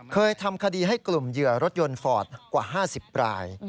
เคยทำคดีให้กลุ่มเหยื่อรถยนต์ฟอร์ตกว่า๕๐ราย